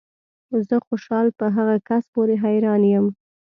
زه خوشحال په هغه کس پورې حیران یم